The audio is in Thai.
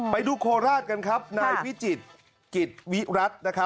ไปดูโคราชกันครับนายวิจิตรกิจวิรัตน์